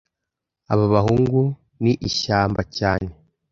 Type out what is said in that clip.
Aba bahungu ni ishyamba cyane